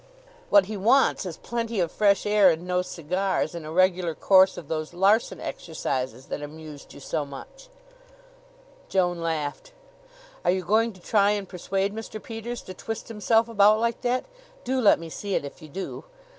"What he wants is plenty of fresh air and no cigars, and a regular course of those Larsen Exercises that amused you so much." Joan laughed. "Are you going to try and persuade Mr. Peters to twist himself about like that? Do let me see it if you do."